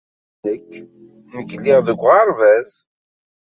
Ur d nekk. Nekk lliɣ deg uɣerbaz.